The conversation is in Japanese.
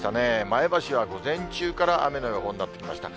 前橋は午前中から雨の予報になってきました。